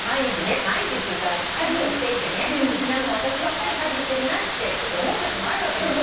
毎日っていうか家事をしていてね何か私ばっかり家事してるなってちょっと思うときもあるわけですよ。